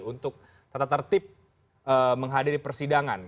untuk tata tertib menghadiri persidangan